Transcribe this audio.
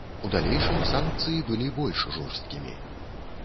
У далейшым, санкцыі былі больш жорсткімі.